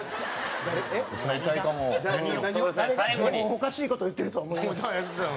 おかしい事を言ってるとは思います。